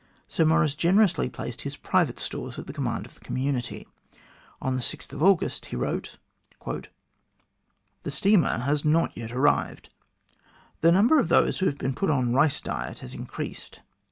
Sir Maurice generously placed his private stores at the command of the community. On August 6, he wrote :" The steamer has not yet arrived. The number of those who have been put on rice diet has increased.